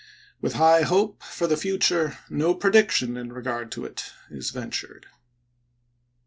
With high hope for the future, no prediction in regard to it is ventured.